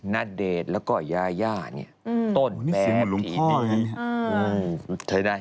นเดชน์แล้วก็ยายาเนี่ยต้นแบบทีมือ